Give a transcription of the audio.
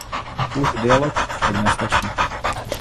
Pouze dialog však nestačí.